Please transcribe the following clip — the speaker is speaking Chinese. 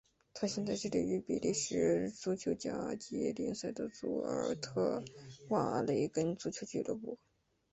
他现在效力于比利时足球甲级联赛的祖尔特瓦雷根足球俱乐部。